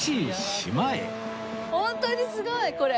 ホントにすごいこれ。